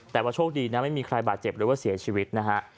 แต่ว่าโชคดีนะไม่มีใครบาดเจ็บหรือว่าเสียชีวิตนะฮะ